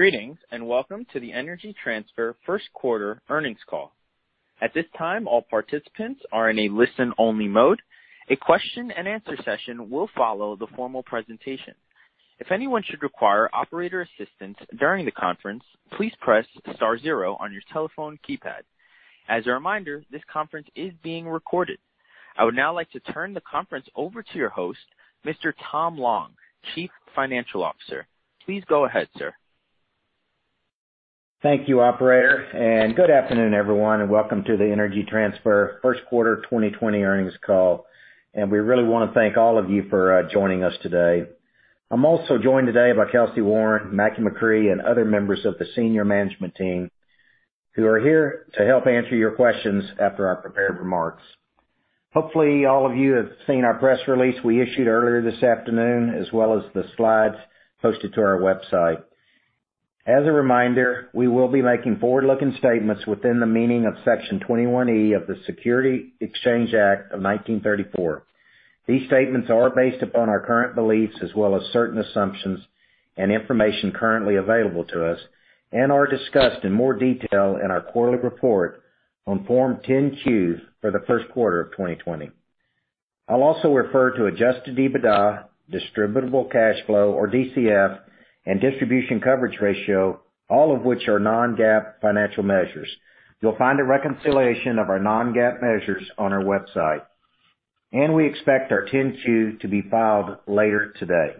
Greetings, welcome to the Energy Transfer first quarter earnings call. At this time, all participants are in a listen-only mode. A question and answer session will follow the formal presentation. If anyone should require operator assistance during the conference, please press star zero on your telephone keypad. As a reminder, this conference is being recorded. I would now like to turn the conference over to your host, Mr. Tom Long, Chief Financial Officer. Please go ahead, sir. Thank you, operator. Good afternoon, everyone. Welcome to the Energy Transfer first quarter 2020 earnings call. We really want to thank all of you for joining us today. I am also joined today by Kelcy Warren, Mackie McCrea, and other members of the senior management team who are here to help answer your questions after our prepared remarks. Hopefully, all of you have seen our press release we issued earlier this afternoon, as well as the slides posted to our website. As a reminder, we will be making forward-looking statements within the meaning of Section 21E of the Securities Exchange Act of 1934. These statements are based upon our current beliefs as well as certain assumptions and information currently available to us, and are discussed in more detail in our quarterly report on Form 10-Q for the first quarter of 2020. I'll also refer to adjusted EBITDA, distributable cash flow or DCF, and distribution coverage ratio, all of which are non-GAAP financial measures. You'll find a reconciliation of our non-GAAP measures on our website. We expect our 10-Q to be filed later today.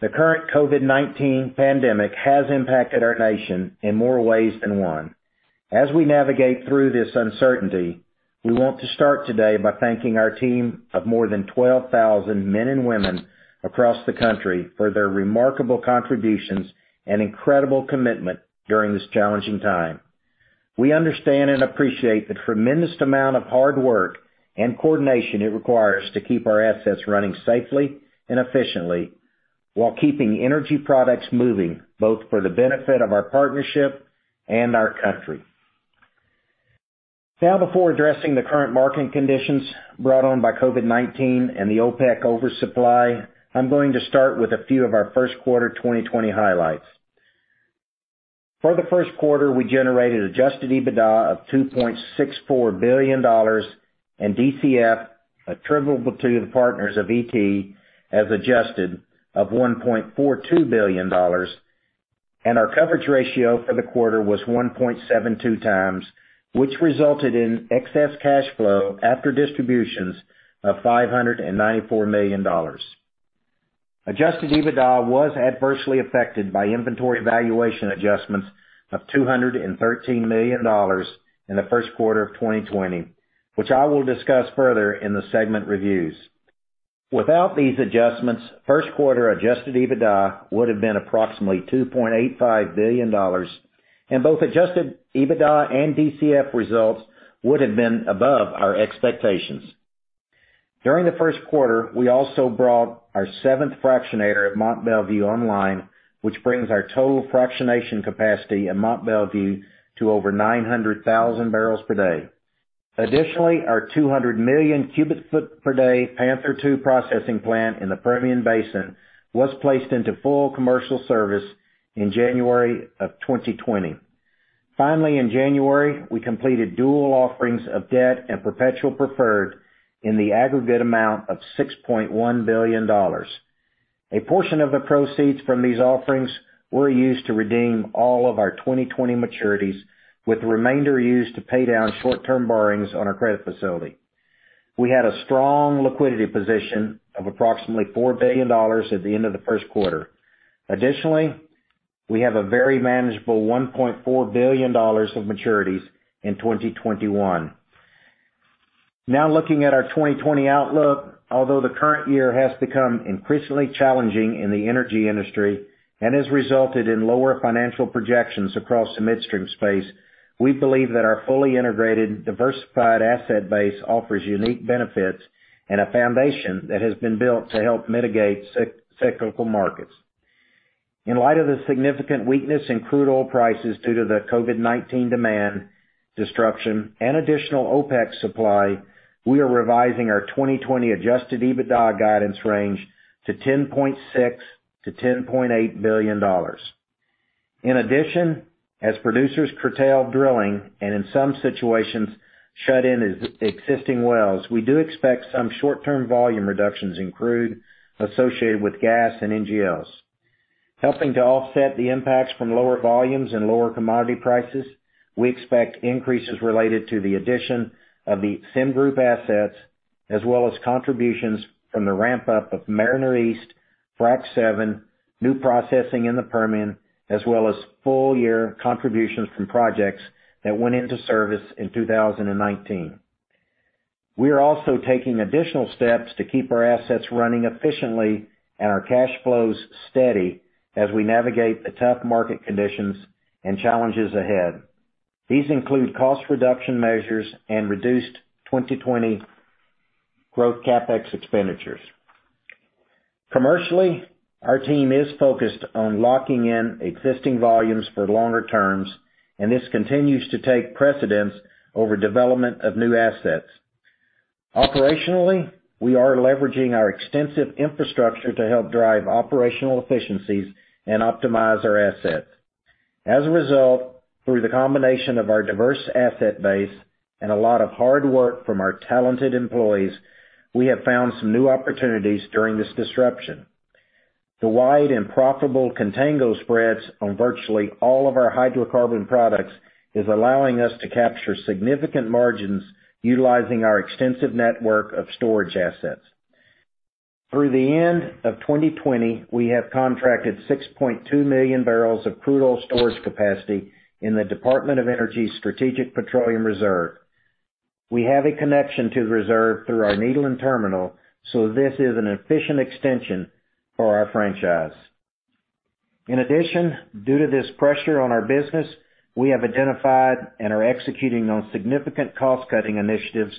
The current COVID-19 pandemic has impacted our nation in more ways than one. As we navigate through this uncertainty, we want to start today by thanking our team of more than 12,000 men and women across the country for their remarkable contributions and incredible commitment during this challenging time. We understand and appreciate the tremendous amount of hard work and coordination it requires to keep our assets running safely and efficiently while keeping energy products moving, both for the benefit of our partnership and our country. Now, before addressing the current marketing conditions brought on by COVID-19 and the OPEC oversupply, I'm going to start with a few of our first quarter 2020 highlights. For the first quarter, we generated adjusted EBITDA of $2.64 billion, and DCF attributable to the partners of ET as adjusted of $1.42 billion, and our coverage ratio for the quarter was 1.72x, which resulted in excess cash flow after distributions of $594 million. Adjusted EBITDA was adversely affected by inventory valuation adjustments of $213 million in the first quarter of 2020, which I will discuss further in the segment reviews. Without these adjustments, first quarter adjusted EBITDA would have been approximately $2.85 billion, and both adjusted EBITDA and DCF results would have been above our expectations. During the first quarter, we also brought our seventh fractionator at Mont Belvieu online, which brings our total fractionation capacity at Mont Belvieu to over 900,000 barrels per day. Additionally, our 200 million cubic foot per day Panther II processing plant in the Permian Basin was placed into full commercial service in January of 2020. In January, we completed dual offerings of debt and perpetual preferred in the aggregate amount of $6.1 billion. A portion of the proceeds from these offerings were used to redeem all of our 2020 maturities, with the remainder used to pay down short-term borrowings on our credit facility. We had a strong liquidity position of approximately $4 billion at the end of the first quarter. Additionally, we have a very manageable $1.4 billion of maturities in 2021. Now looking at our 2020 outlook, although the current year has become increasingly challenging in the energy industry and has resulted in lower financial projections across the midstream space, we believe that our fully integrated, diversified asset base offers unique benefits and a foundation that has been built to help mitigate cyclical markets. In light of the significant weakness in crude oil prices due to the COVID-19 demand disruption and additional OPEC supply, we are revising our 2020 adjusted EBITDA guidance range to $10.6 billion-$10.8 billion. In addition, as producers curtail drilling and in some situations shut in existing wells, we do expect some short-term volume reductions in crude associated with gas and NGLs. Helping to offset the impacts from lower volumes and lower commodity prices, we expect increases related to the addition of the SemGroup assets as well as contributions from the ramp-up of Mariner East, Frac VII, new processing in the Permian, as well as full-year contributions from projects that went into service in 2019. We are also taking additional steps to keep our assets running efficiently and our cash flows steady as we navigate the tough market conditions and challenges ahead. These include cost reduction measures and reduced 2020 growth CapEx expenditures. Commercially, our team is focused on locking in existing volumes for longer terms, and this continues to take precedence over development of new assets. Operationally, we are leveraging our extensive infrastructure to help drive operational efficiencies and optimize our assets. As a result, through the combination of our diverse asset base and a lot of hard work from our talented employees, we have found some new opportunities during this disruption. The wide and profitable contango spreads on virtually all of our hydrocarbon products is allowing us to capture significant margins utilizing our extensive network of storage assets. Through the end of 2020, we have contracted 6.2 million barrels of crude oil storage capacity in the Department of Energy's Strategic Petroleum Reserve. We have a connection to the reserve through our Nederland terminal, so this is an efficient extension for our franchise. In addition, due to this pressure on our business, we have identified and are executing on significant cost-cutting initiatives,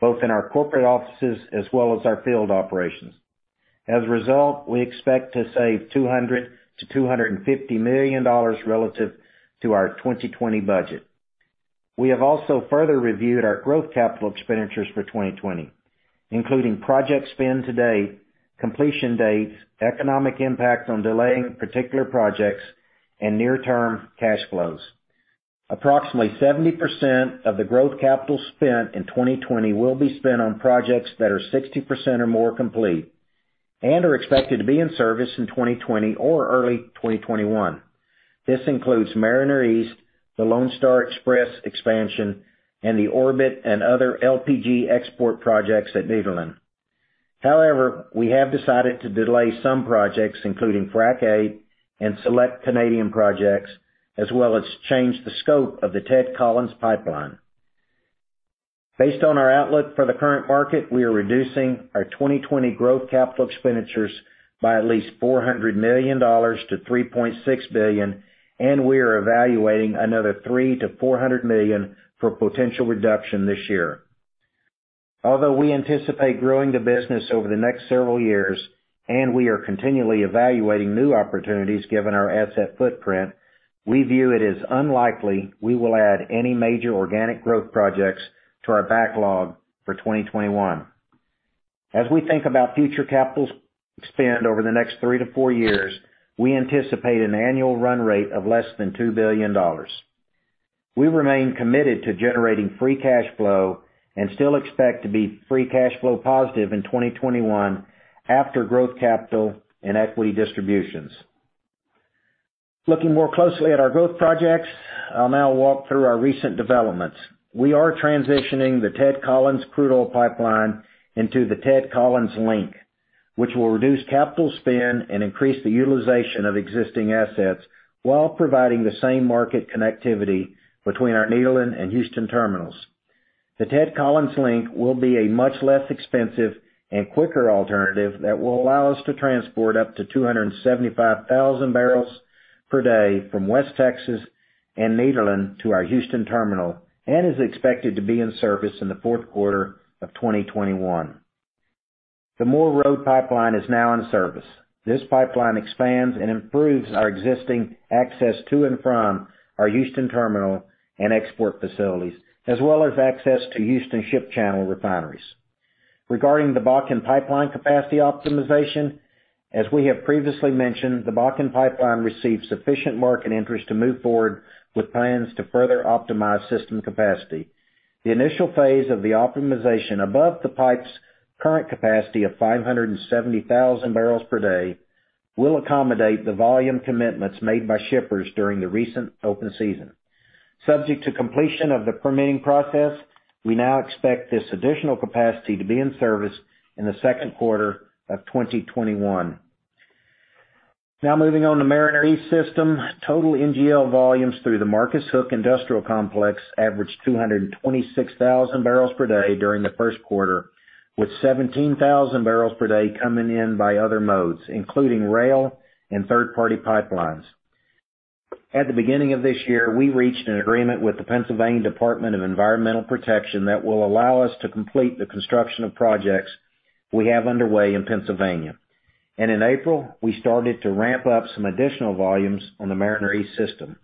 both in our corporate offices as well as our field operations. As a result, we expect to save $200 million-$250 million relative to our 2020 budget. We have also further reviewed our growth capital expenditures for 2020, including project spend to date, completion dates, economic impact on delaying particular projects, and near-term cash flows. Approximately 70% of the growth capital spent in 2020 will be spent on projects that are 60% or more complete and are expected to be in service in 2020 or early 2021. This includes Mariner East, the Lone Star Express expansion, and the Orbit and other LPG export projects at Nederland. We have decided to delay some projects, including Frac VIII and select Canadian projects, as well as change the scope of the Ted Collins pipeline. Based on our outlook for the current market, we are reducing our 2020 growth capital expenditures by at least $400 million to $3.6 billion, and we are evaluating another $300 million-$400 million for potential reduction this year. Although we anticipate growing the business over the next several years, and we are continually evaluating new opportunities given our asset footprint, we view it as unlikely we will add any major organic growth projects to our backlog for 2021. As we think about future capital spend over the next three to four years, we anticipate an annual run rate of less than $2 billion. We remain committed to generating free cash flow and still expect to be free cash flow positive in 2021 after growth capital and equity distributions. Looking more closely at our growth projects, I'll now walk through our recent developments. We are transitioning the Ted Collins Pipeline into the Ted Collins Link, which will reduce capital spend and increase the utilization of existing assets while providing the same market connectivity between our Nederland and Houston terminals. The Ted Collins Link will be a much less expensive and quicker alternative that will allow us to transport up to 275,000 barrels per day from West Texas and Nederland to our Houston terminal, and is expected to be in service in the fourth quarter of 2021. The Moore Road Pipeline is now in service. This pipeline expands and improves our existing access to and from our Houston terminal and export facilities, as well as access to Houston Ship Channel refineries. Regarding the Bakken Pipeline capacity optimization, as we have previously mentioned, the Bakken Pipeline received sufficient market interest to move forward with plans to further optimize system capacity. The initial phase of the optimization above the pipe's current capacity of 570,000 barrels per day will accommodate the volume commitments made by shippers during the recent open season. Subject to completion of the permitting process, we now expect this additional capacity to be in service in the second quarter of 2021. Now moving on to Mariner East system. Total NGL volumes through the Marcus Hook Industrial Complex averaged 226,000 barrels per day during the first quarter, with 17,000 barrels per day coming in by other modes, including rail and third-party pipelines. At the beginning of this year, we reached an agreement with the Pennsylvania Department of Environmental Protection that will allow us to complete the construction of projects we have underway in Pennsylvania. In April, we started to ramp up some additional volumes on the Mariner East system.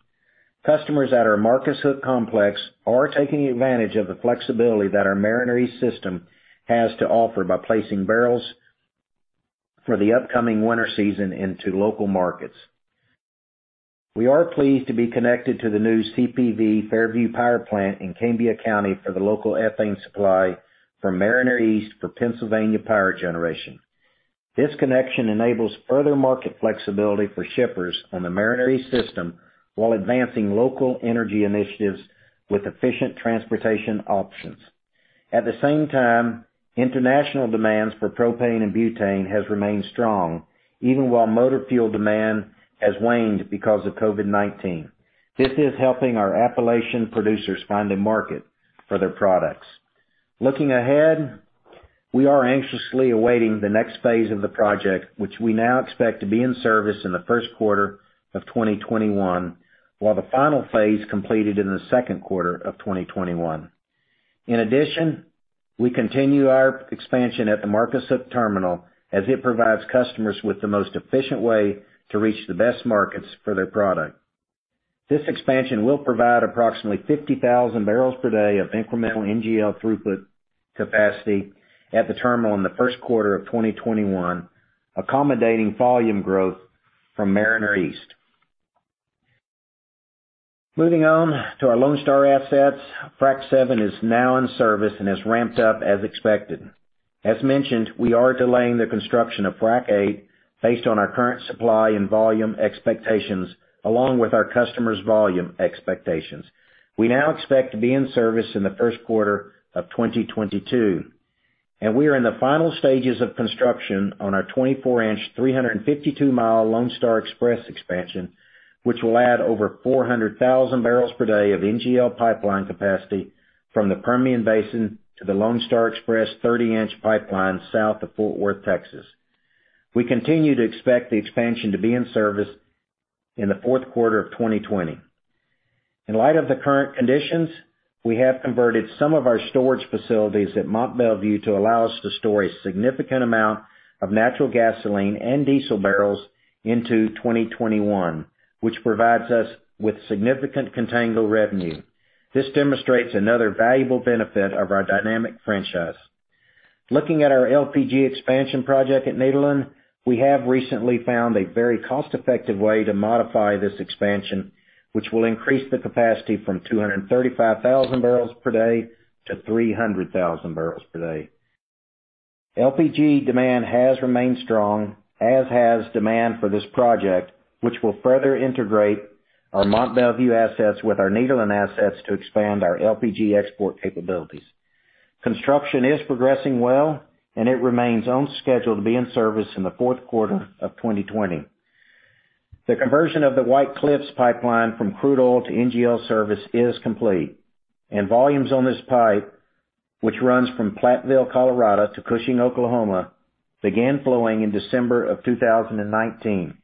Customers at our Marcus Hook complex are taking advantage of the flexibility that our Mariner East system has to offer by placing barrels for the upcoming winter season into local markets. We are pleased to be connected to the new CPV Fairview Energy Center in Cambria County for the local ethane supply from Mariner East for Pennsylvania power generation. This connection enables further market flexibility for shippers on the Mariner East system while advancing local energy initiatives with efficient transportation options. At the same time, international demands for propane and butane has remained strong, even while motor fuel demand has waned because of COVID-19. This is helping our Appalachian producers find a market for their products. Looking ahead, we are anxiously awaiting the next phase of the project, which we now expect to be in service in the first quarter of 2021, while the final phase completed in the second quarter of 2021. In addition, we continue our expansion at the Marcus Hook terminal, as it provides customers with the most efficient way to reach the best markets for their product. This expansion will provide approximately 50,000 barrels per day of incremental NGL throughput capacity at the terminal in the first quarter of 2021, accommodating volume growth from Mariner East. Moving on to our Lone Star assets, Frac VII is now in service and has ramped up as expected. As mentioned, we are delaying the construction of Frac VIII based on our current supply and volume expectations, along with our customers' volume expectations. We now expect to be in service in the first quarter of 2022. We are in the final stages of construction on our 24-inch, 352-mile Lone Star Express expansion, which will add over 400,000 barrels per day of NGL pipeline capacity from the Permian Basin to the Lone Star Express 30-inch pipeline south of Fort Worth, Texas. We continue to expect the expansion to be in service in the fourth quarter of 2020. In light of the current conditions, we have converted some of our storage facilities at Mont Belvieu to allow us to store a significant amount of natural gasoline and diesel barrels into 2021, which provides us with significant contango revenue. This demonstrates another valuable benefit of our dynamic franchise. Looking at our LPG expansion project at Nederland, we have recently found a very cost-effective way to modify this expansion, which will increase the capacity from 235,000 barrels per day to 300,000 barrels per day. LPG demand has remained strong, as has demand for this project, which will further integrate our Mont Belvieu assets with our Nederland assets to expand our LPG export capabilities. Construction is progressing well. It remains on schedule to be in service in the fourth quarter of 2020. The conversion of the White Cliffs pipeline from crude oil to NGL service is complete, and volumes on this pipe, which runs from Platteville, Colorado to Cushing, Oklahoma, began flowing in December of 2019.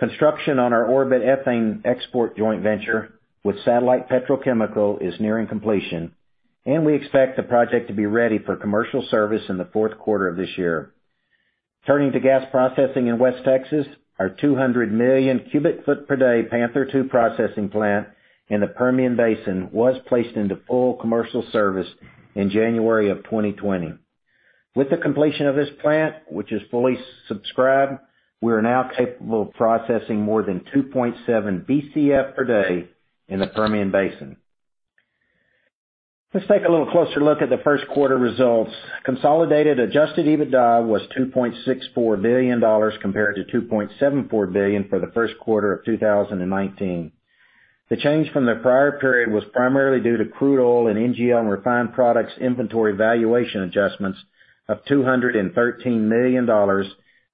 Construction on our Orbit Ethane export joint venture with Satellite Petrochemical is nearing completion, and we expect the project to be ready for commercial service in the fourth quarter of this year. Turning to gas processing in West Texas, our 200-million cubic foot per day Panther 2 processing plant in the Permian Basin was placed into full commercial service in January of 2020. With the completion of this plant, which is fully subscribed, we are now capable of processing more than 2.7 Bcf per day in the Permian Basin. Let's take a little closer look at the first quarter results. Consolidated adjusted EBITDA was $2.64 billion compared to $2.74 billion for the first quarter of 2019. The change from the prior period was primarily due to crude oil and NGL and refined products inventory valuation adjustments of $213 million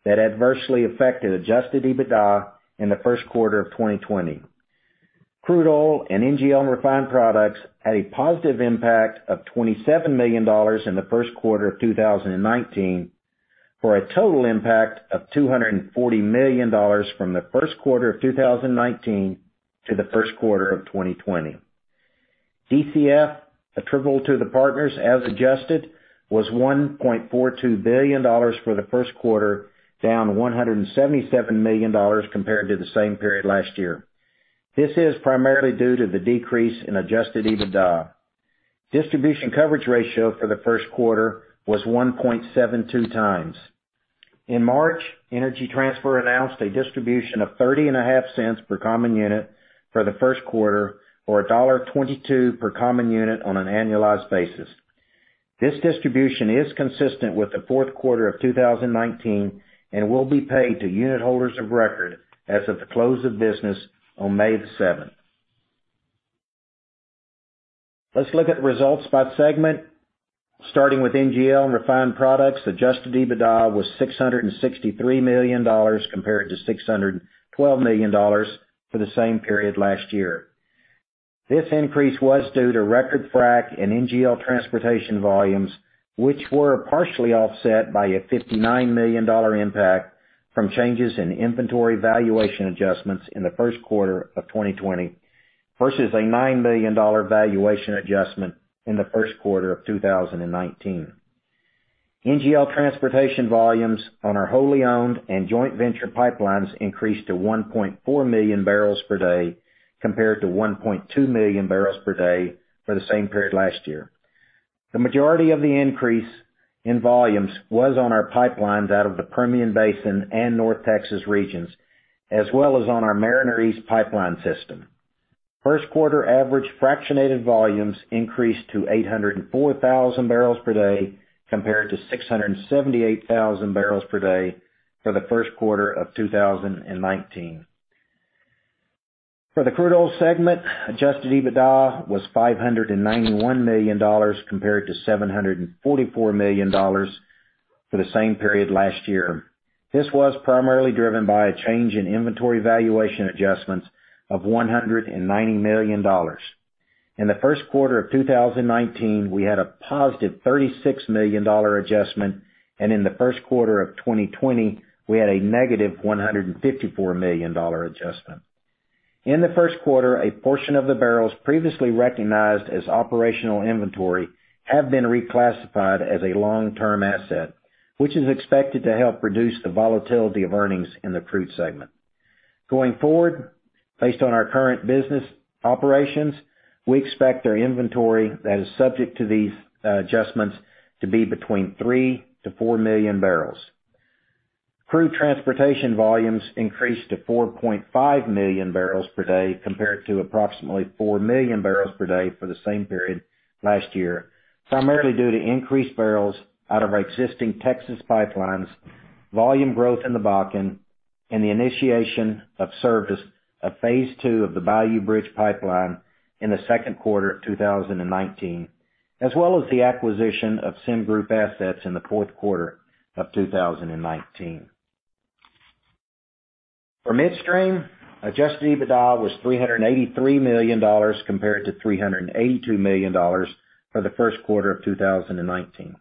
that adversely affected adjusted EBITDA in the first quarter of 2020. Crude oil and NGL refined products had a positive impact of $27 million in the first quarter of 2019, for a total impact of $240 million from the first quarter of 2019 to the first quarter of 2020. DCF attributable to the partners as adjusted was $1.42 billion for the first quarter, down $177 million compared to the same period last year. This is primarily due to the decrease in adjusted EBITDA. Distribution coverage ratio for the first quarter was 1.72x. In March, Energy Transfer announced a distribution of $0.305 per common unit for the first quarter, or $1.22 per common unit on an annualized basis. This distribution is consistent with the fourth quarter of 2019 and will be paid to unit holders of record as of the close of business on May the 7th. Let's look at the results by segment. Starting with NGL and refined products, adjusted EBITDA was $663 million compared to $612 million for the same period last year. This increase was due to record frac and NGL transportation volumes, which were partially offset by a $59 million impact from changes in inventory valuation adjustments in the first quarter of 2020 versus a $9 million valuation adjustment in the first quarter of 2019. NGL transportation volumes on our wholly owned and joint venture pipelines increased to 1.4 million barrels per day compared to 1.2 million barrels per day for the same period last year. The majority of the increase in volumes was on our pipelines out of the Permian Basin and North Texas regions, as well as on our Mariner East pipeline system. First quarter average fractionated volumes increased to 804,000 barrels per day compared to 678,000 barrels per day for the first quarter of 2019. For the crude oil segment, adjusted EBITDA was $591 million compared to $744 million for the same period last year. This was primarily driven by a change in inventory valuation adjustments of $190 million. In the first quarter of 2019, we had a positive $36 million adjustment, and in the first quarter of 2020, we had a negative $154 million adjustment. In the first quarter, a portion of the barrels previously recognized as operational inventory have been reclassified as a long-term asset, which is expected to help reduce the volatility of earnings in the crude segment. Going forward, based on our current business operations, we expect our inventory that is subject to these adjustments to be between three to four million barrels. Crude transportation volumes increased to 4.5 million barrels per day compared to approximately four million barrels per day for the same period last year, primarily due to increased barrels out of our existing Texas pipelines, volume growth in the Bakken, and the initiation of service of phase II of the Bayou Bridge Pipeline in the second quarter of 2019, as well as the acquisition of SemGroup assets in the fourth quarter of 2019. For midstream, adjusted EBITDA was $383 million compared to $382 million for the first quarter of 2019.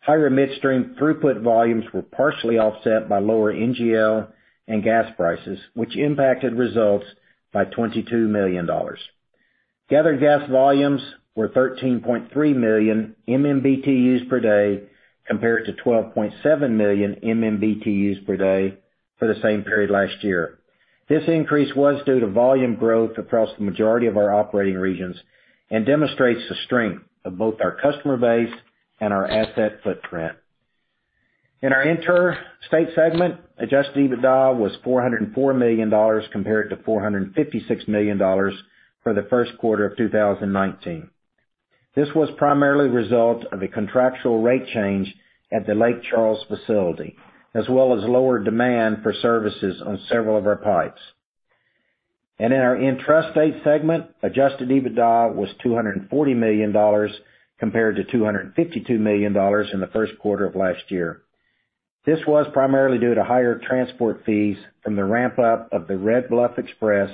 Higher midstream throughput volumes were partially offset by lower NGL and gas prices, which impacted results by $22 million. Gathered gas volumes were 13.3 million MMBtus per day, compared to 12.7 million MMBtus per day for the same period last year. This increase was due to volume growth across the majority of our operating regions and demonstrates the strength of both our customer base and our asset footprint. In our interstate segment, adjusted EBITDA was $404 million compared to $456 million for the first quarter of 2019. This was primarily the result of a contractual rate change at the Lake Charles facility, as well as lower demand for services on several of our pipes. In our intrastate segment, adjusted EBITDA was $240 million compared to $252 million in the first quarter of last year. This was primarily due to higher transport fees from the ramp-up of the Red Bluff Express,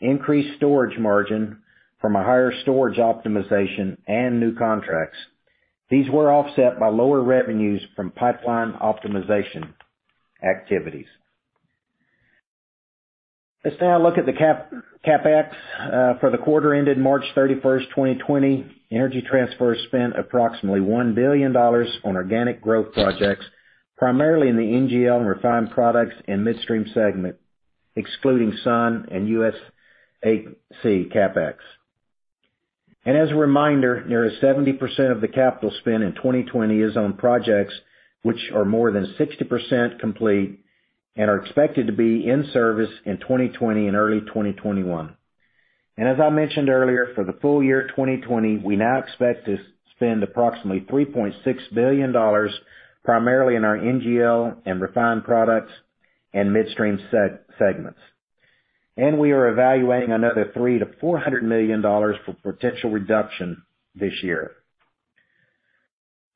increased storage margin from a higher storage optimization and new contracts. These were offset by lower revenues from pipeline optimization activities. Let's now look at the CapEx. For the quarter ended March 31st, 2020, Energy Transfer spent approximately $1 billion on organic growth projects, primarily in the NGL and refined products and midstream segment, excluding Sun and USAC CapEx. As a reminder, nearly 70% of the capital spend in 2020 is on projects which are more than 60% complete and are expected to be in service in 2020 and early 2021. As I mentioned earlier, for the full year 2020, we now expect to spend approximately $3.6 billion primarily in our NGL and refined products and midstream segments. We are evaluating another $300 million-$400 million for potential reduction this year.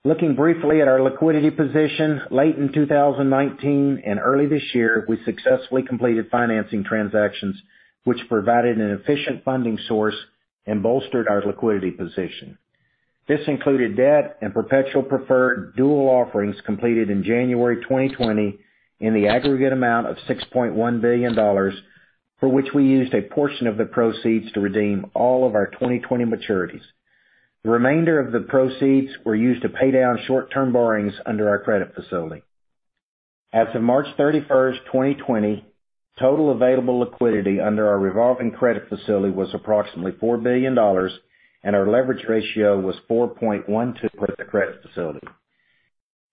Looking briefly at our liquidity position, late in 2019 and early this year, we successfully completed financing transactions, which provided an efficient funding source and bolstered our liquidity position. This included debt and perpetual preferred dual offerings completed in January 2020 in the aggregate amount of $6.1 billion, for which we used a portion of the proceeds to redeem all of our 2020 maturities. The remainder of the proceeds were used to pay down short-term borrowings under our credit facility. As of March 31st, 2020, total available liquidity under our revolving credit facility was approximately $4 billion, and our leverage ratio was 4.12 at the credit facility.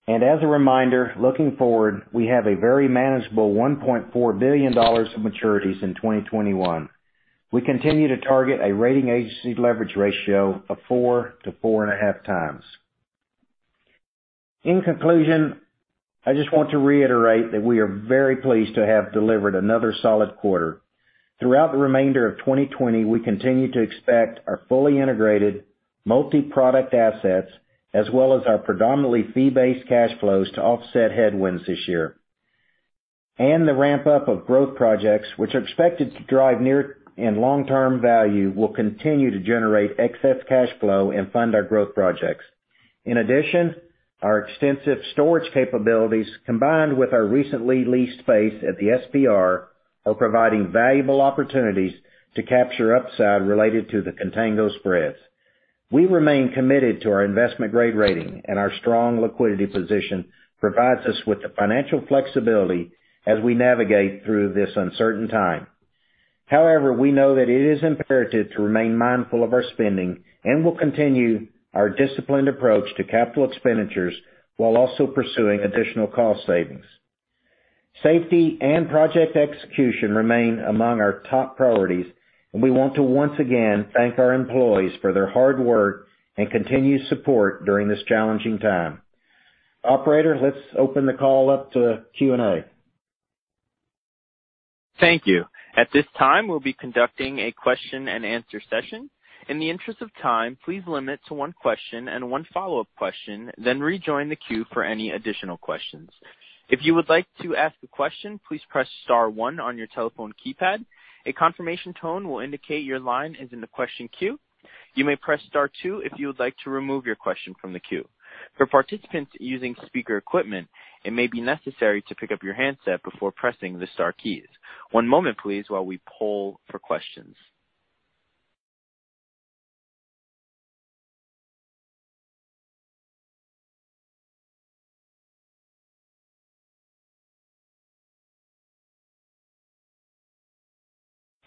As a reminder, looking forward, we have a very manageable $1.4 billion of maturities in 2021. We continue to target a rating agency leverage ratio of 4x to 4.5x. In conclusion, I just want to reiterate that we are very pleased to have delivered another solid quarter. Throughout the remainder of 2020, we continue to expect our fully integrated multi-product assets as well as our predominantly fee-based cash flows to offset headwinds this year. The ramp-up of growth projects, which are expected to drive near and long-term value, will continue to generate excess cash flow and fund our growth projects. In addition, our extensive storage capabilities, combined with our recently leased space at the SPR, are providing valuable opportunities to capture upside related to the contango spreads. We remain committed to our investment-grade rating, and our strong liquidity position provides us with the financial flexibility as we navigate through this uncertain time. However, we know that it is imperative to remain mindful of our spending and will continue our disciplined approach to capital expenditures while also pursuing additional cost savings. Safety and project execution remain among our top priorities, and we want to once again thank our employees for their hard work and continued support during this challenging time. Operator, let's open the call up to Q&A. Thank you. At this time, we'll be conducting a question-and-answer session. In the interest of time, please limit to one question and one follow-up question, then rejoin the queue for any additional questions. If you would like to ask a question, please press star one on your telephone keypad. A confirmation tone will indicate your line is in the question queue. You may press star two if you would like to remove your question from the queue. For participants using speaker equipment, it may be necessary to pick up your handset before pressing the star keys. One moment, please, while we poll for questions.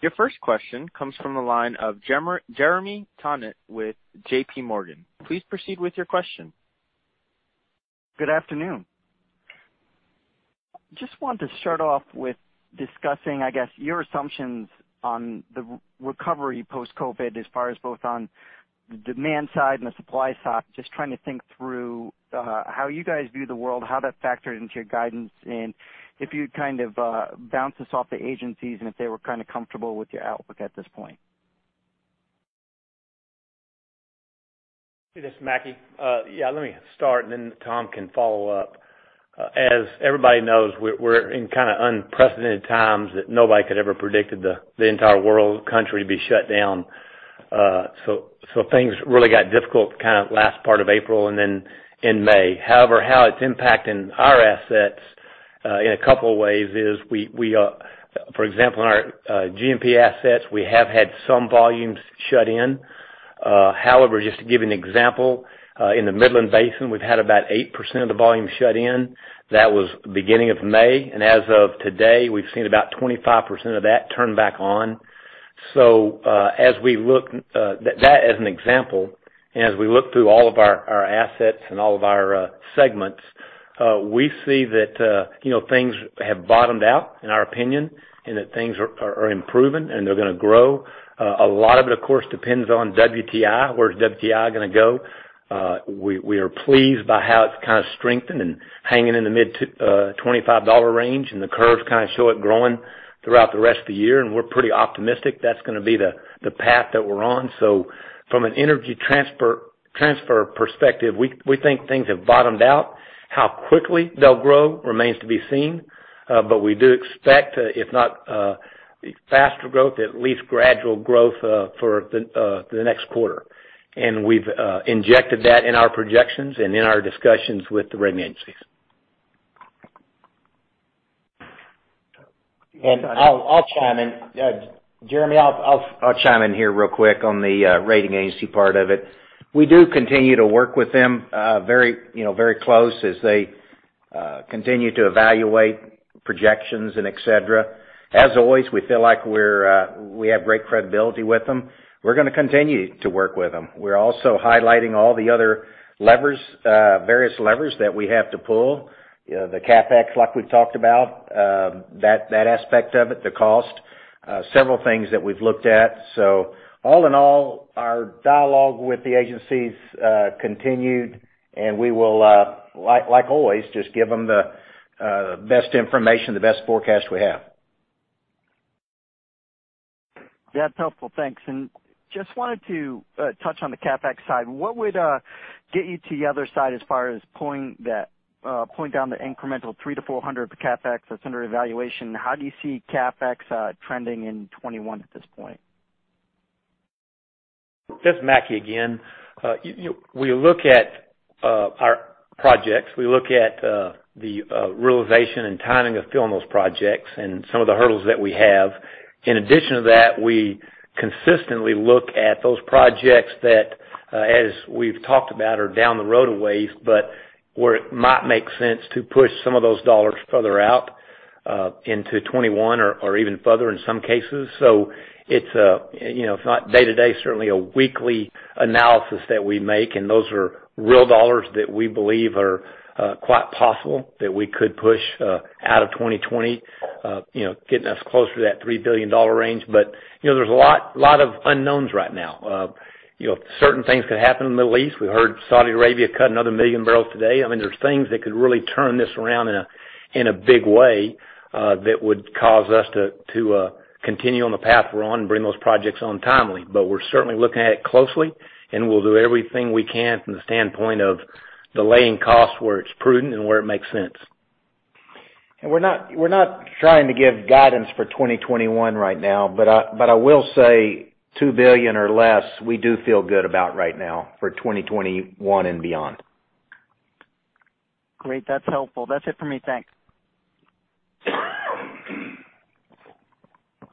Your first question comes from the line of Jeremy Tonet with JPMorgan. Please proceed with your question. Good afternoon. Just wanted to start off with discussing, I guess, your assumptions on the recovery post-COVID-19, as far as both on the demand side and the supply side. Just trying to think through how you guys view the world, how that factored into your guidance, and if you'd bounce this off the agencies and if they were comfortable with your outlook at this point. This is Mackie. Yeah, let me start and then Tom can follow up. As everybody knows, we're in unprecedented times that nobody could ever predicted the entire world, country to be shut down. Things really got difficult last part of April and then in May. However, how it's impacting our assets, in a couple ways, is for example, in our G&P assets, we have had some volumes shut in. However, just to give you an example, in the Midland Basin, we've had about 8% of the volume shut in. That was beginning of May. As of today, we've seen about 25% of that turn back on. That as an example, and as we look through all of our assets and all of our segments, we see that things have bottomed out in our opinion, and that things are improving and they're going to grow. A lot of it, of course, depends on WTI, where's WTI going to go. We are pleased by how it's strengthened and hanging in the mid $25 range. The curves show it growing throughout the rest of the year. We're pretty optimistic that's going to be the path that we're on. From an Energy Transfer perspective, we think things have bottomed out. How quickly they'll grow remains to be seen. We do expect, if not faster growth, at least gradual growth for the next quarter. We've injected that in our projections and in our discussions with the rating agencies. I'll chime in. Jeremy, I'll chime in here real quick on the rating agency part of it. We do continue to work with them very close as they continue to evaluate projections and et cetera. As always, we feel like we have great credibility with them. We're going to continue to work with them. We're also highlighting all the other various levers that we have to pull. The CapEx, like we've talked about, that aspect of it, the cost. Several things that we've looked at. All in all, our dialogue with the agencies continued, and we will, like always, just give them the best information, the best forecast we have. That's helpful. Thanks. Just wanted to touch on the CapEx side. What would get you to the other side as far as pulling down the incremental $3 to $400 of the CapEx that's under evaluation? How do you see CapEx trending in 2021 at this point? This is Mackie again. We look at our projects, we look at the realization and timing of filling those projects and some of the hurdles that we have. In addition to that, we consistently look at those projects that, as we've talked about, are down the road a ways, but where it might make sense to push some of those dollars further out into 2021 or even further in some cases. It's not day-to-day, certainly a weekly analysis that we make, and those are real dollars that we believe are quite possible that we could push out of 2020, getting us closer to that $3 billion range. There's a lot of unknowns right now. Certain things could happen in the Middle East. We heard Saudi Arabia cut another million barrels today. There's things that could really turn this around in a big way, that would cause us to continue on the path we're on and bring those projects on timely. We're certainly looking at it closely, and we'll do everything we can from the standpoint of delaying costs where it's prudent and where it makes sense. We're not trying to give guidance for 2021 right now, but I will say $2 billion or less, we do feel good about right now for 2021 and beyond. Great. That's helpful. That's it for me. Thanks.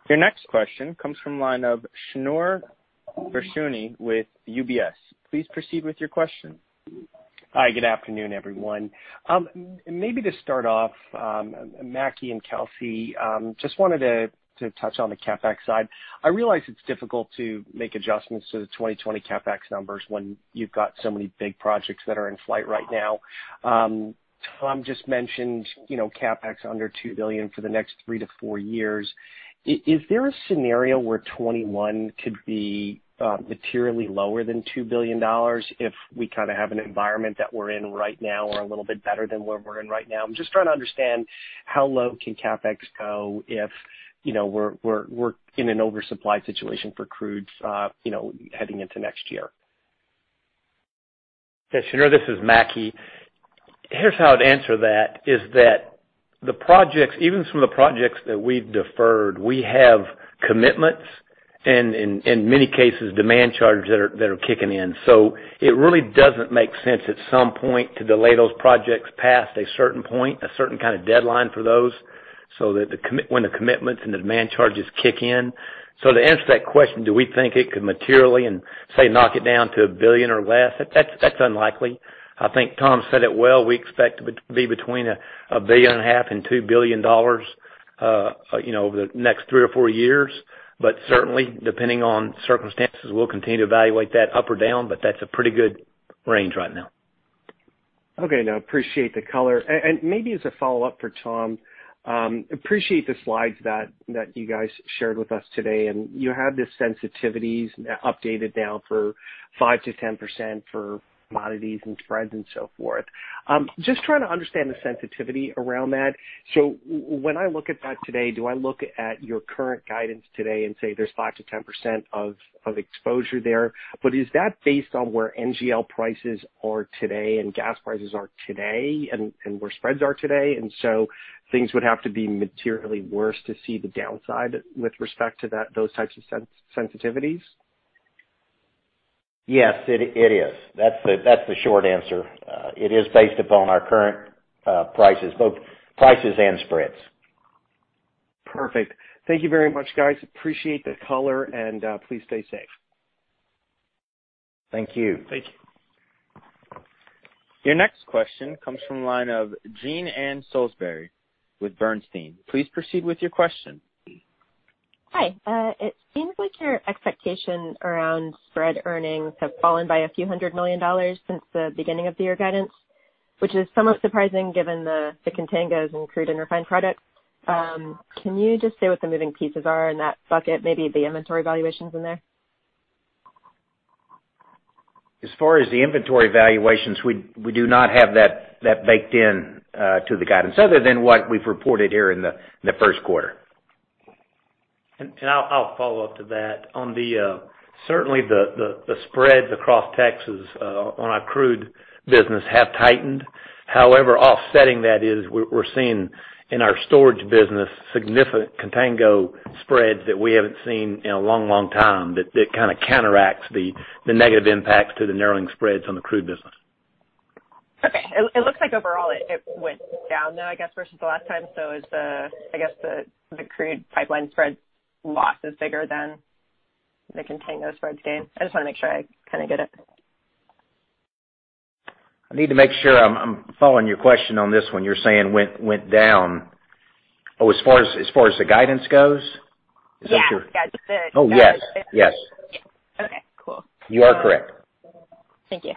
Your next question comes from line of Shneur Gershuni with UBS. Please proceed with your question. Hi, good afternoon, everyone. Maybe to start off, Mackie and Kelcy, just wanted to touch on the CapEx side. I realize it's difficult to make adjustments to the 2020 CapEx numbers when you've got so many big projects that are in flight right now. Tom just mentioned CapEx under $2 billion for the next three to four years. Is there a scenario where 2021 could be materially lower than $2 billion if we have an environment that we're in right now or a little bit better than where we're in right now? I'm just trying to understand how low can CapEx go if we're in an oversupply situation for crudes heading into next year. Yeah, Shneur, this is Mackie. Here's how I'd answer that, is that even some of the projects that we've deferred, we have commitments, and in many cases, demand charges that are kicking in. It really doesn't make sense at some point to delay those projects past a certain point, a certain kind of deadline for those, that when the commitments and demand charges kick in. To answer that question, do we think it could materially and, say, knock it down to $1 billion or less? That's unlikely. I think Tom said it well. We expect it to be between $1.5 billion and $2 billion over the next three or four years. Certainly, depending on circumstances, we'll continue to evaluate that up or down. That's a pretty good range right now. Okay. No, appreciate the color. Maybe as a follow-up for Tom, appreciate the slides that you guys shared with us today, you have the sensitivities updated now for 5%-10% for commodities and spreads and so forth. Just trying to understand the sensitivity around that. When I look at that today, do I look at your current guidance today and say there's 5%-10% of exposure there? Is that based on where NGL prices are today and gas prices are today and where spreads are today, things would have to be materially worse to see the downside with respect to those types of sensitivities? Yes, it is. That's the short answer. It is based upon our current prices, both prices and spreads. Perfect. Thank you very much, guys. Appreciate the color. Please stay safe. Thank you. Thank you. Your next question comes from the line of Jean Ann Salisbury with Bernstein. Please proceed with your question. Hi. It seems like your expectation around spread earnings have fallen by a few hundred million dollars since the beginning of the year guidance, which is somewhat surprising given the contangos in crude and refined products. Can you just say what the moving pieces are in that bucket, maybe the inventory valuations in there? As far as the inventory valuations, we do not have that baked in to the guidance other than what we've reported here in the first quarter. I'll follow up to that. Certainly the spreads across Texas on our crude business have tightened. However, offsetting that is we're seeing in our storage business significant contango spreads that we haven't seen in a long, long time, that kind of counteracts the negative impacts to the narrowing spreads on the crude business. Okay. It looks like overall it went down, though, I guess, versus the last time. I guess the crude pipeline spread loss is bigger than the contango spread gain. I just want to make sure I kind of get it. I need to make sure I'm following your question on this one. You're saying went down. Oh, as far as the guidance goes? Is that what you're Yeah. Oh, yes. Okay, cool. You are correct. Thank you.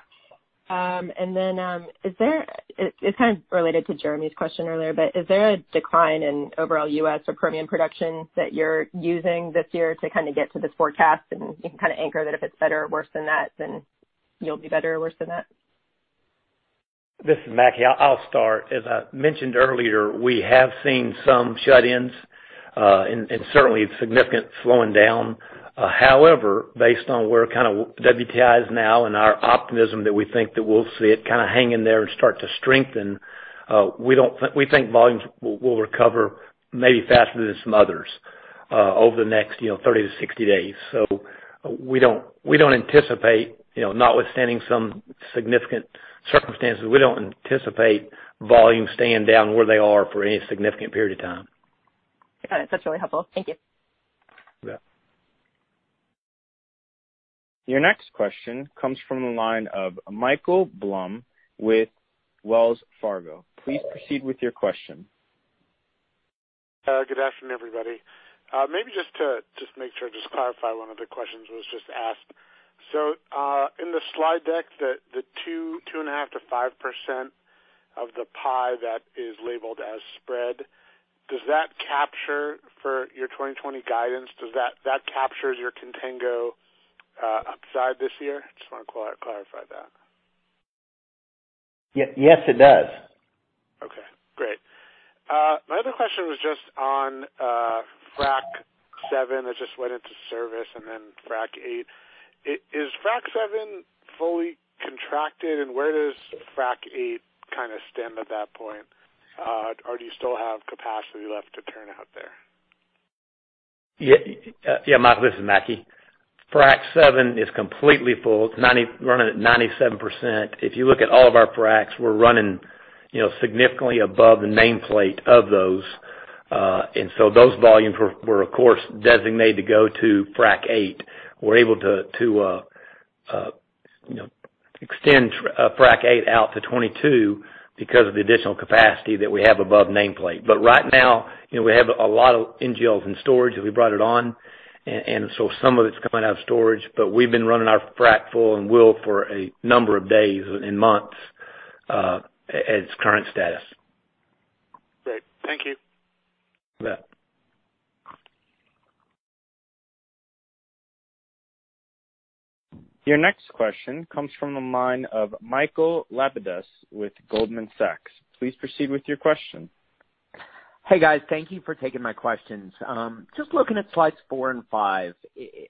It's kind of related to Jeremy's question earlier. Is there a decline in overall U.S. or Permian production that you're using this year to kind of get to this forecast, you can kind of anchor that if it's better or worse than that, then you'll be better or worse than that? This is Mackie. I'll start. As I mentioned earlier, we have seen some shut-ins, and certainly significant slowing down. However, based on where WTI is now and our optimism that we think that we'll see it kind of hang in there and start to strengthen, we think volumes will recover maybe faster than some others over the next 30-60 days. We don't anticipate, notwithstanding some significant circumstances, we don't anticipate volumes staying down where they are for any significant period of time. Got it. That's really helpful. Thank you. Yeah. Your next question comes from the line of Michael Blum with Wells Fargo. Please proceed with your question. Good afternoon, everybody. Maybe just to make sure, just clarify one of the questions that was just asked. In the slide deck, the two and a half to 5% of the pie that is labeled as spread, does that capture for your 2020 guidance? That captures your contango upside this year? Just want to clarify that. Yes, it does. Okay, great. My other question was just on Frac VII that just went into service and then Frac VIII. Is Frac VII fully contracted? Where does Frac VIII kind of stand at that point? Do you still have capacity left to turn out there? Yeah, Michael, this is Mackie. Frac VII is completely full. It's running at 97%. If you look at all of our fracs, we're running significantly above the nameplate of those. Those volumes were, of course, designated to go to Frac VIII. We're able to extend Frac VIII out to 2022 because of the additional capacity that we have above nameplate. Right now, we have a lot of NGLs in storage as we brought it on, and so some of it's coming out of storage, but we've been running our frac full and will for a number of days and months, at its current status. Great. Thank you. You bet. Your next question comes from the line of Michael Lapides with Goldman Sachs. Please proceed with your question. Hey, guys. Thank you for taking my questions. Just looking at slides four and five. The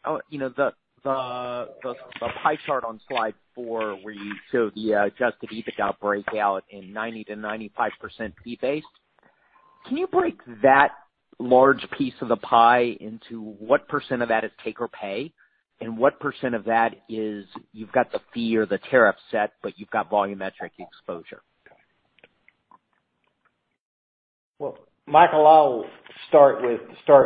pie chart on slide four where you show the adjusted EBITDA breakout in 90%-95% fee-based, can you break thatLarge piece of the pie into what % of that is take or pay, and what % of that is you've got the fee or the tariff set, but you've got volumetric exposure? Well, Michael, I'll start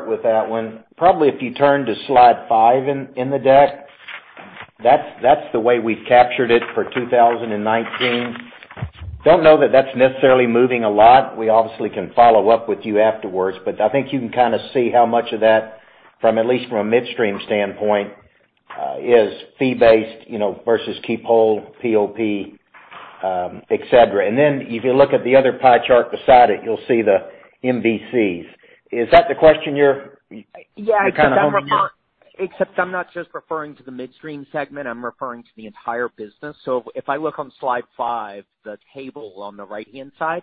with that one. Probably if you turn to slide five in the deck. That's the way we've captured it for 2019. Don't know that that's necessarily moving a lot. We obviously can follow up with you afterwards, I think you can kind of see how much of that from, at least from a midstream standpoint, is fee-based versus keep whole POP, et cetera. If you look at the other pie chart beside it, you'll see the MVCs. Is that the question you're-? Yeah. You're kind of honing in? Except I'm not just referring to the midstream segment, I'm referring to the entire business. If I look on slide five, the table on the right-hand side.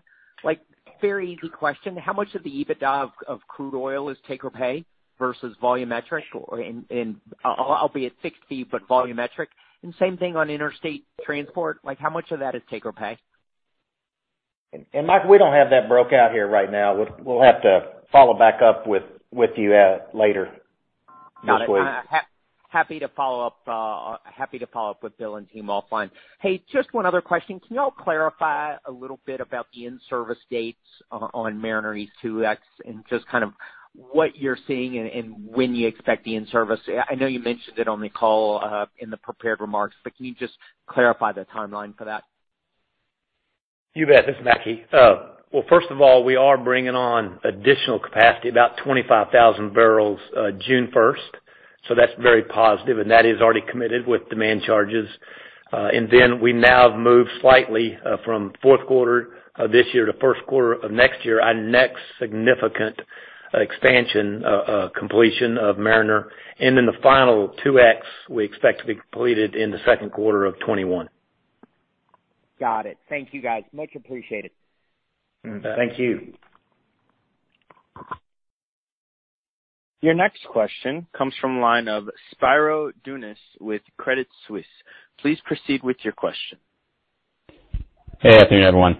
Very easy question. How much of the EBITDA of crude oil is take or pay versus volumetric? Albeit 60, but volumetric. Same thing on interstate transport. How much of that is take or pay? Michael, we don't have that broke out here right now. We'll have to follow back up with you later this week. Got it. Happy to follow-up with Bill and team. All fine. Hey, just one other question. Can y'all clarify a little bit about the in-service dates on Mariner East 2X and just kind of what you're seeing and when you expect the in-service? I know you mentioned it on the call, in the prepared remarks, but can you just clarify the timeline for that? You bet. This is Mackie. Well, first of all, we are bringing on additional capacity, about 25,000 barrels, June 1st. That's very positive, and that is already committed with demand charges. We now have moved slightly from fourth quarter of this year to first quarter of next year, our next significant expansion, completion of Mariner East. The final Mariner East 2X, we expect to be completed in the second quarter of 2021. Got it. Thank you, guys. Much appreciated. You bet. Thank you. Your next question comes from the line of Spiro Dounis with Credit Suisse. Please proceed with your question. Hey, afternoon, everyone.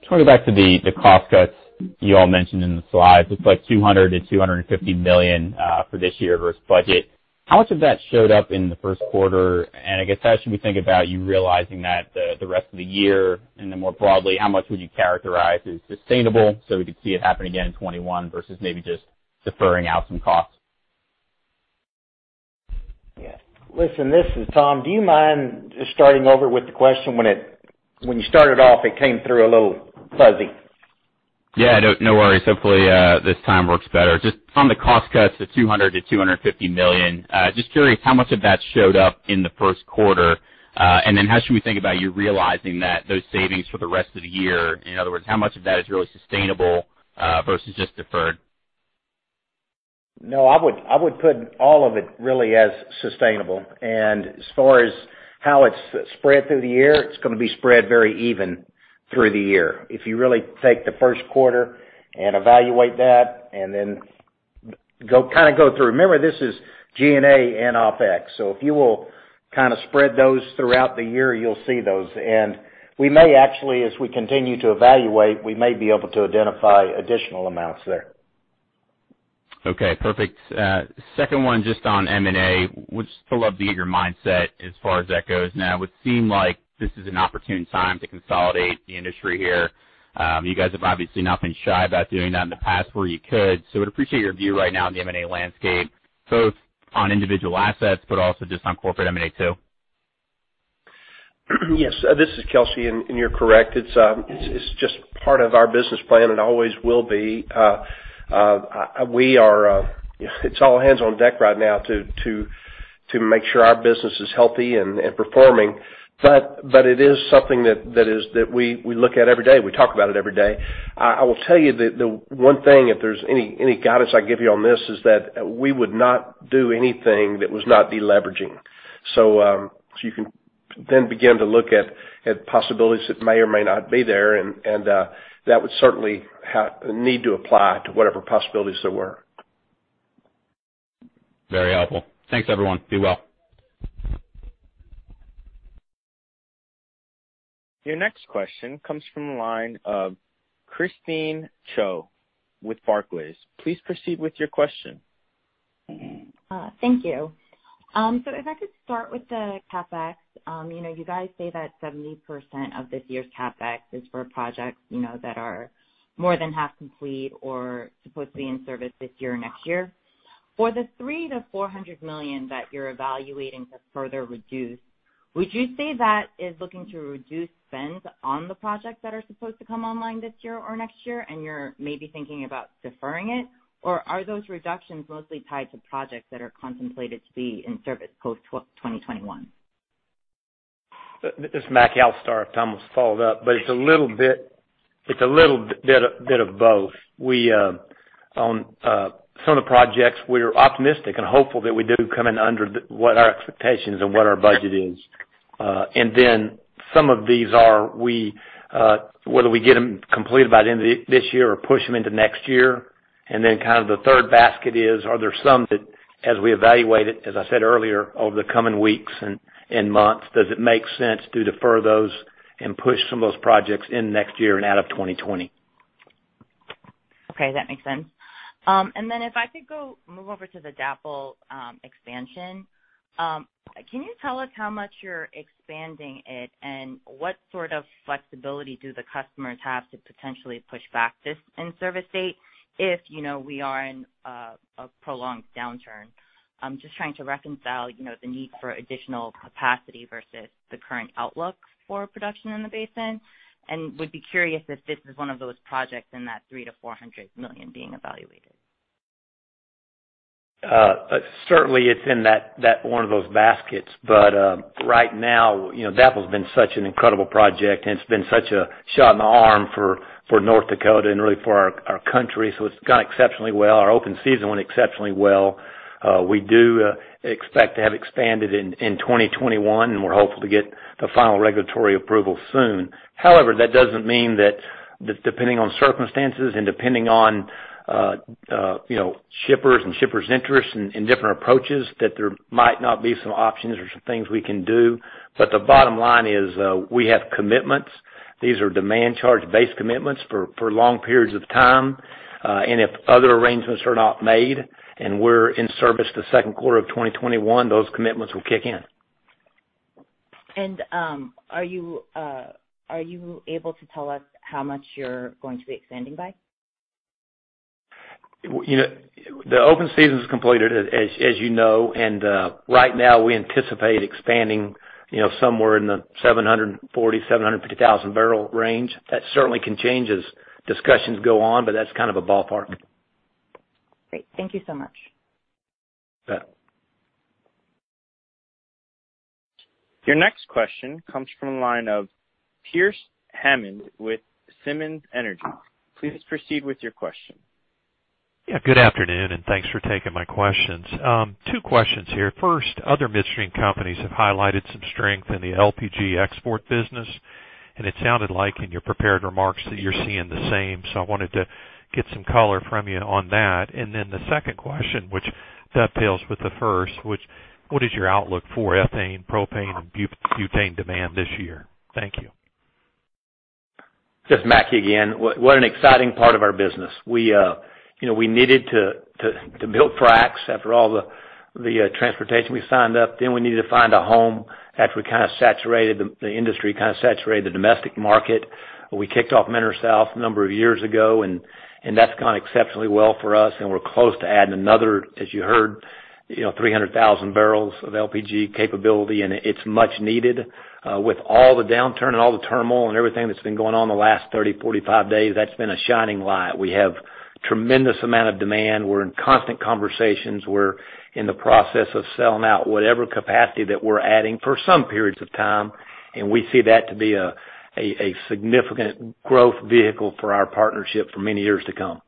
Just want to go back to the cost cuts you all mentioned in the slides. It's like $200 million-$250 million for this year versus budget. How much of that showed up in the first quarter? I guess how should we think about you realizing that the rest of the year and then more broadly, how much would you characterize as sustainable so we could see it happen again in 2021 versus maybe just deferring out some costs? Listen, this is Tom. Do you mind just starting over with the question? When you started off, it came through a little fuzzy. Yeah. No worries. Hopefully, this time works better. Just on the cost cuts of $200 million-$250 million. Just curious how much of that showed up in the first quarter. How should we think about you realizing that those savings for the rest of the year? In other words, how much of that is really sustainable, versus just deferred? No, I would put all of it really as sustainable. As far as how it's spread through the year, it's going to be spread very even through the year. If you really take the first quarter and evaluate that and then kind of go through Remember, this is G&A and OpEx. If you will kind of spread those throughout the year, you'll see those. We may actually, as we continue to evaluate, we may be able to identify additional amounts there. Okay, perfect. Second one, just on M&A. Would still love the eager mindset as far as that goes. It would seem like this is an opportune time to consolidate the industry here. You guys have obviously not been shy about doing that in the past where you could. Would appreciate your view right now on the M&A landscape, both on individual assets, but also just on corporate M&A too. Yes, this is Kelcy, and you're correct. It's just part of our business plan and always will be. It's all hands on deck right now to make sure our business is healthy and performing. It is something that we look at every day. We talk about it every day. I will tell you that the one thing, if there's any guidance I can give you on this, is that we would not do anything that was not de-leveraging. You can then begin to look at possibilities that may or may not be there, and that would certainly need to apply to whatever possibilities there were. Very helpful. Thanks, everyone. Be well. Your next question comes from the line of Christine Cho with Barclays. Please proceed with your question. Thank you. If I could start with the CapEx. You guys say that 70% of this year's CapEx is for projects that are more than half complete or supposed to be in service this year or next year. For the $300 million-$400 million that you're evaluating to further reduce, would you say that is looking to reduce spends on the projects that are supposed to come online this year or next year, and you're maybe thinking about deferring it? Are those reductions mostly tied to projects that are contemplated to be in service post 2021? This is Mackie. I'll start. Tom will follow it up, but it's a little bit of both. On some of the projects, we're optimistic and hopeful that we do come in under what our expectations and what our budget is. Some of these are whether we get them completed by the end of this year or push them into next year. Kind of the third basket is, are there some that, as we evaluate it, as I said earlier, over the coming weeks and months, does it make sense to defer those and push some of those projects into next year and out of 2020? Okay, that makes sense. Then if I could move over to the DAPL expansion. Can you tell us how much you're expanding it, and what sort of flexibility do the customers have to potentially push back this end service date if we are in a prolonged downturn? I'm just trying to reconcile the need for additional capacity versus the current outlook for production in the basin, and would be curious if this is one of those projects in that $300 million-$400 million being evaluated. Certainly it's in one of those baskets. Right now, DAPL's been such an incredible project, and it's been such a shot in the arm for North Dakota and really for our country. It's gone exceptionally well. Our open season went exceptionally well. We do expect to have expanded in 2021, and we're hopeful to get the final regulatory approval soon. However, that doesn't mean that depending on circumstances and depending on shippers and shippers' interests and different approaches, that there might not be some options or some things we can do. The bottom line is, we have commitments. These are demand charge based commitments for long periods of time. If other arrangements are not made and we're in service the second quarter of 2021, those commitments will kick in. Are you able to tell us how much you're going to be expanding by? The open season's completed, as you know, and right now we anticipate expanding somewhere in the 740,000-750,000 barrel range. That certainly can change as discussions go on, but that's kind of a ballpark. Great. Thank you so much. You bet. Your next question comes from the line of Pearce Hammond with Simmons Energy. Please proceed with your question. Yeah, good afternoon, and thanks for taking my questions. Two questions here. First, other midstream companies have highlighted some strength in the LPG export business, and it sounded like in your prepared remarks that you're seeing the same. I wanted to get some color from you on that. The second question, which dovetails with the first, what is your outlook for ethane, propane, and butane demand this year? Thank you. This is Mackie again. What an exciting part of our business. We needed to build Fracs after all the transportation we signed up, then we needed to find a home after the industry kind of saturated the domestic market. We kicked off Mariner South a number of years ago, and that's gone exceptionally well for us, and we're close to adding another, as you heard, 300,000 barrels of LPG capability, and it's much needed. With all the downturn and all the turmoil and everything that's been going on the last 30, 45 days, that's been a shining light. We have tremendous amount of demand. We're in constant conversations. We're in the process of selling out whatever capacity that we're adding for some periods of time, and we see that to be a significant growth vehicle for our partnership for many years to come.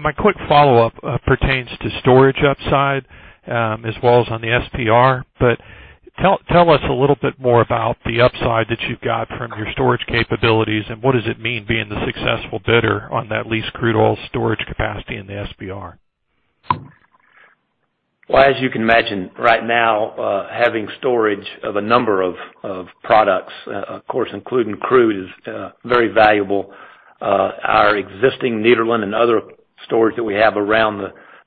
My quick follow-up pertains to storage upside, as well as on the SPR. Tell us a little bit more about the upside that you've got from your storage capabilities, and what does it mean being the successful bidder on that lease crude oil storage capacity in the SPR? Well, as you can imagine, right now, having storage of a number of products, of course, including crude, is very valuable. Our existing Nederland and other storage that we have around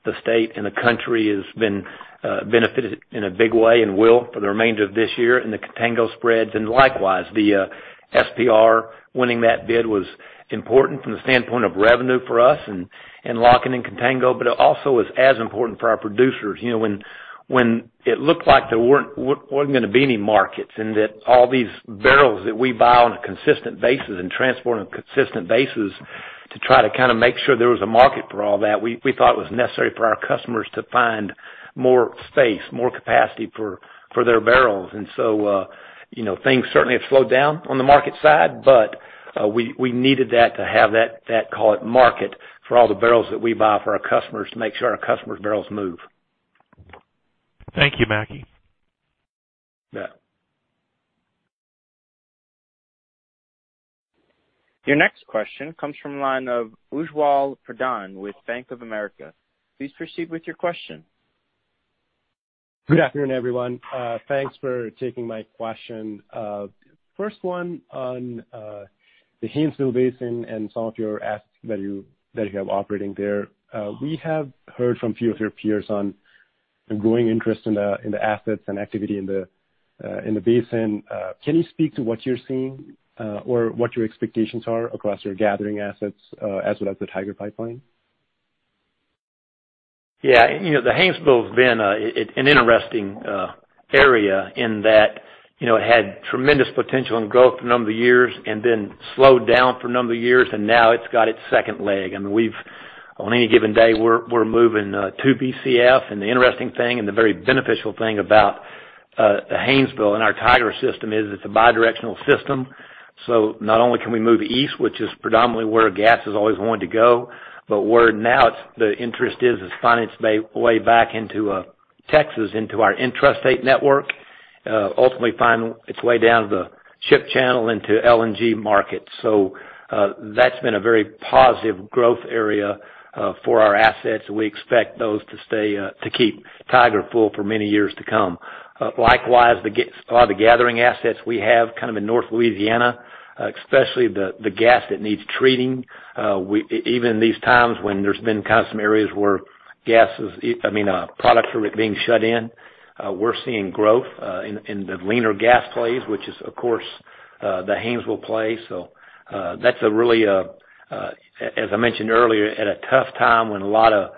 the state and the country has benefited in a big way and will for the remainder of this year in the contango spreads. Likewise, the SPR, winning that bid was important from the standpoint of revenue for us and locking in contango. It also is as important for our producers. When it looked like there wasn't going to be any markets and that all these barrels that we buy on a consistent basis and transport on a consistent basis to try to kind of make sure there was a market for all that, we thought it was necessary for our customers to find more space, more capacity for their barrels. Things certainly have slowed down on the market side, but we needed that to have that, call it market, for all the barrels that we buy for our customers to make sure our customers' barrels move. Thank you, Mackie. You bet. Your next question comes from the line of Ujjwal Pradhan with Bank of America. Please proceed with your question. Good afternoon, everyone. Thanks for taking my question. First one on the Haynesville Basin and some of your assets that you have operating there. We have heard from few of your peers on the growing interest in the assets and activity in the basin. Can you speak to what you're seeing or what your expectations are across your gathering assets as well as the Tiger Pipeline? The Haynesville has been an interesting area in that it had tremendous potential and growth for a number of years and then slowed down for a number of years, and now it's got its second leg. On any given day, we're moving 2 Bcf. The interesting thing and the very beneficial thing about the Haynesville and our Tiger system is it's a bi-directional system. Not only can we move east, which is predominantly where gas is always wanting to go, but where now the interest is finding its way back into Texas, into our intrastate network, ultimately finding its way down to the ship channel into LNG markets. That's been a very positive growth area for our assets. We expect those to keep Tiger full for many years to come. Likewise, a lot of the gathering assets we have kind of in North Louisiana, especially the gas that needs treating, even these times when there's been kind of some areas where products are being shut in, we're seeing growth in the leaner gas plays, which is, of course, the Haynesville play. That's a really, as I mentioned earlier, at a tough time when a lot of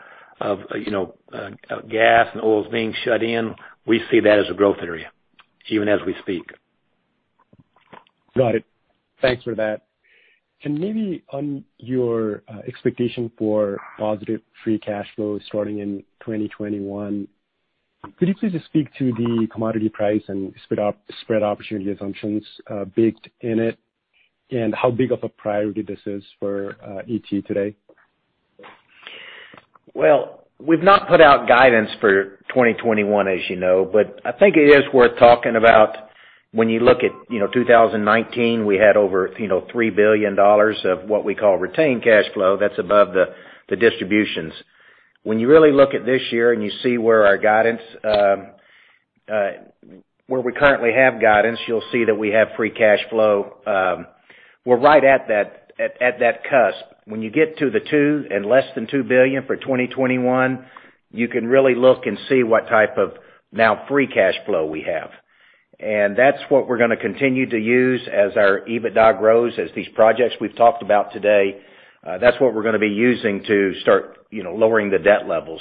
gas and oil is being shut in, we see that as a growth area, even as we speak. Got it. Thanks for that. Can maybe on your expectation for positive free cash flow starting in 2021, could you please just speak to the commodity price and spread opportunity assumptions baked in it and how big of a priority this is for ET today? Well, we've not put out guidance for 2021, as you know, I think it is worth talking about when you look at 2019, we had over $3 billion of what we call retained cash flow. That's above the distributions. When you really look at this year and you see where we currently have guidance, you'll see that we have free cash flow. We're right at that cusp. When you get to the $2 billion and less than $2 billion for 2021, you can really look and see what type of now free cash flow we have. That's what we're going to continue to use as our EBITDA grows, as these projects we've talked about today, that's what we're going to be using to start lowering the debt levels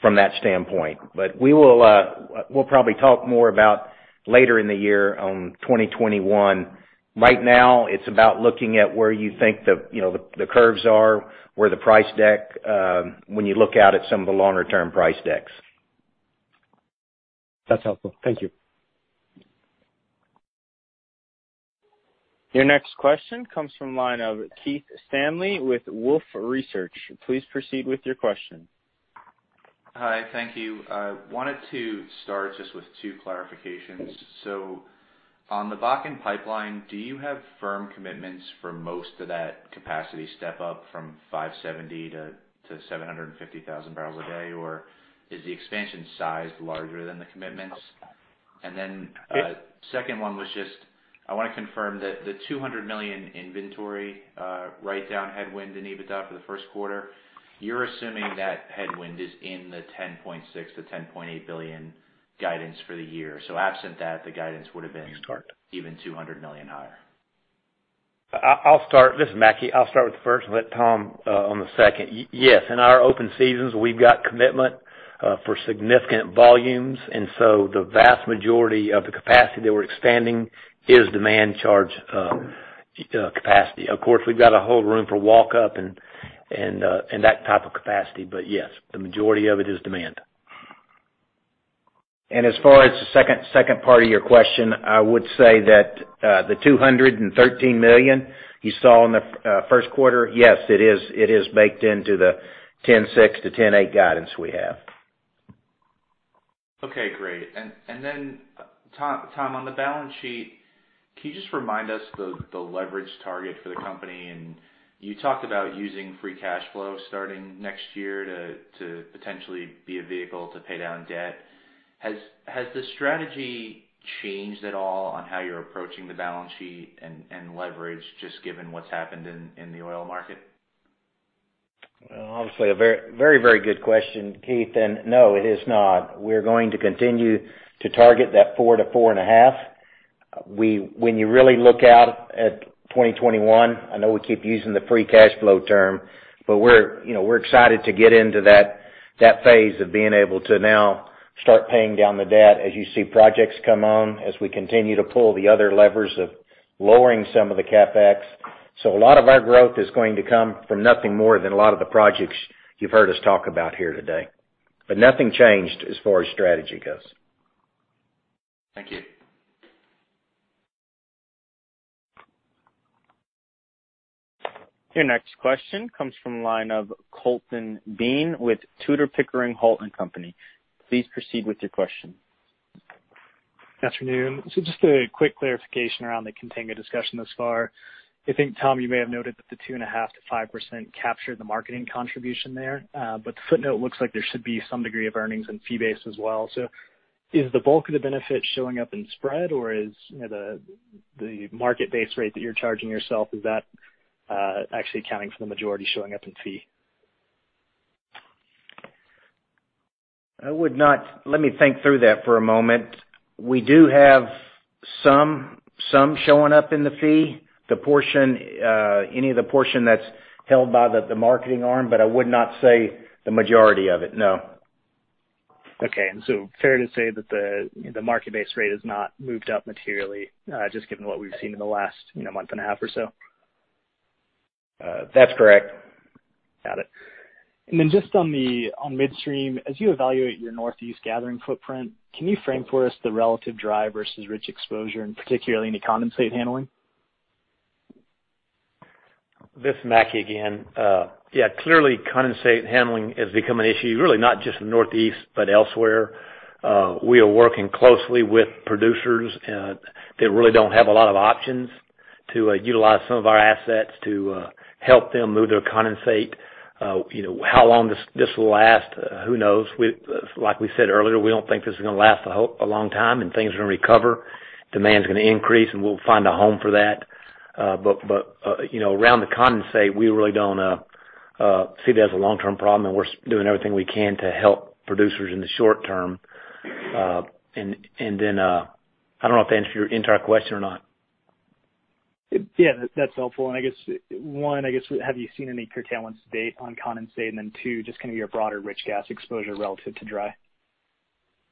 from that standpoint. We'll probably talk more about later in the year on 2021. Right now, it's about looking at where you think the curves are, when you look out at some of the longer term price decks. That's helpful. Thank you. Your next question comes from the line of Keith Stanley with Wolfe Research. Please proceed with your question. Hi. Thank you. I wanted to start just with two clarifications. On the Bakken Pipeline, do you have firm commitments for most of that capacity step up from 570 to 750,000 barrels a day? Is the expansion size larger than the commitments? Yes Second one was just, I want to confirm that the $200 million inventory write-down headwind in EBITDA for the first quarter, you're assuming that headwind is in the $10.6 billion-$10.8 billion guidance for the year. Absent that, the guidance would've been even $200 million higher. This is Mackie. I'll start with the first and let Tom on the second. Yes, in our open seasons, we've got commitment for significant volumes, and so the vast majority of the capacity that we're expanding is demand charge capacity. Of course, we've got to hold room for walk-up and that type of capacity. But yes, the majority of it is demand. As far as the second part of your question, I would say that the $213 million you saw in the first quarter, yes, it is baked into the 10.6-10.8 guidance we have. Okay, great. Tom, on the balance sheet, can you just remind us the leverage target for the company? You talked about using free cash flow starting next year to potentially be a vehicle to pay down debt. Has the strategy changed at all on how you're approaching the balance sheet and leverage just given what's happened in the oil market? Obviously, a very, very good question, Keith, and no, it is not. We're going to continue to target that four to four and a half. We're excited to get into that phase of being able to now start paying down the debt as you see projects come on, as we continue to pull the other levers of lowering some of the CapEx. A lot of our growth is going to come from nothing more than a lot of the projects you've heard us talk about here today. Nothing changed as far as strategy goes. Thank you. Your next question comes from the line of Colton Bean with Tudor, Pickering, Holt & Co. Please proceed with your question. Good afternoon. Just a quick clarification around the contango discussion thus far. I think, Tom, you may have noted that the 2.5% to 5% captured the marketing contribution there. The footnote looks like there should be some degree of earnings and fee based as well. Is the bulk of the benefit showing up in spread or is the market base rate that you're charging yourself, is that actually accounting for the majority showing up in fee? Let me think through that for a moment. We do have some showing up in the fee. Any of the portion that's held by the marketing arm, but I would not say the majority of it, no. Okay. Fair to say that the market-based rate has not moved up materially, just given what we've seen in the last month and a half or so? That's correct. Just on midstream, as you evaluate your Northeast gathering footprint, can you frame for us the relative dry versus rich exposure, and particularly any condensate handling? This is Mackie again. Yeah, clearly condensate handling has become an issue, really not just in the Northeast but elsewhere. We are working closely with producers that really don't have a lot of options to utilize some of our assets to help them move their condensate. How long this will last, who knows? Like we said earlier, we don't think this is going to last a long time. Things are going to recover. Demand's going to increase. We'll find a home for that. Around the condensate, we really don't see that as a long-term problem. We're doing everything we can to help producers in the short term. I don't know if that answered your entire question or not. Yeah, that's helpful. I guess, one, have you seen any curtailment on condensate? Two, just kind of your broader rich gas exposure relative to dry.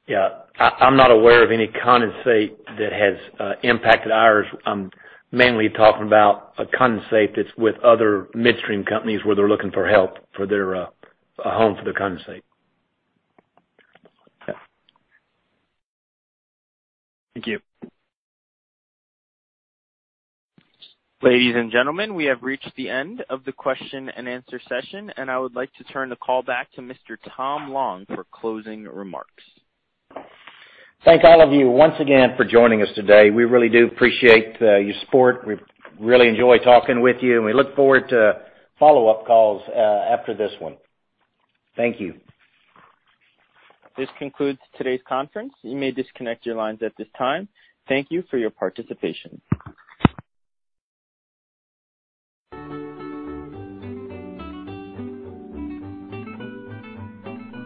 Yeah. I'm not aware of any condensate that has impacted ours. I'm mainly talking about a condensate that's with other midstream companies where they're looking for help for a home for their condensate. Okay. Thank you. Ladies and gentlemen, we have reached the end of the question and answer session, and I would like to turn the call back to Mr. Tom Long for closing remarks. Thank all of you once again for joining us today. We really do appreciate your support. We really enjoy talking with you, and we look forward to follow-up calls after this one. Thank you. This concludes today's conference. You may disconnect your lines at this time. Thank you for your participation.